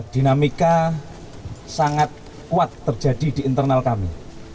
dinamika sangat kuat terjadi di internal kami